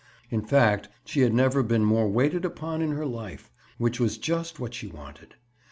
In fact, she had never been more waited upon in her life, which was just what she wanted.